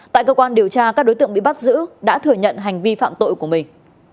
tại cơ quan điều tra các đối tượng bị bắt giữ đã thừa nhận hành vi phạm tội của mình